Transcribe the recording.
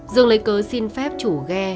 dương lấy cớ xin phép chủ ghe